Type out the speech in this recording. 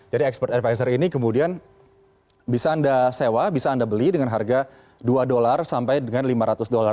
jadi expert advisor ini kemudian bisa anda sewa bisa anda beli dengan harga dua dolar sampai dengan lima ratus dolar